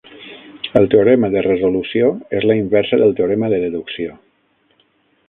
El teorema de resolució és la inversa del teorema de deducció.